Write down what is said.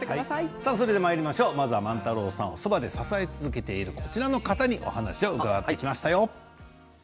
まずは万太郎さんをそばで支え続けているこちらの方にお話を伺ってきましたよ。